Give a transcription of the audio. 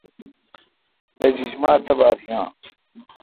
بہ جیجیما تہ بات یاں۔